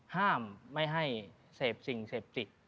ห้ามไม่ให้เสพสิ่งเสพติด